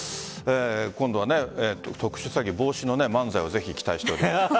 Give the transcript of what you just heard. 今度は特殊詐欺防止の漫才をぜひ期待しています。